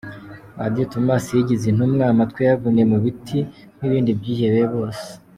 Padiri Thomas yigize intumva. Amatwi yayavuniyemo ibiti nk’ibindi byihebe bose.